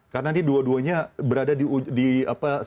karena ini dua duanya berada di striker di dalam penerbangan